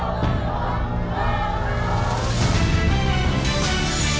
สวัสดี